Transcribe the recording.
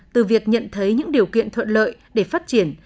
từ việc nhận thấy những điều kiện thuận lợi để phát triển